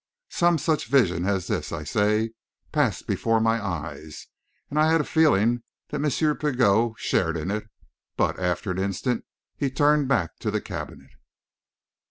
Some such vision as this, I say, passed before my eyes, and I had a feeling that M. Pigot shared in it; but, after an instant, he turned back to the cabinet.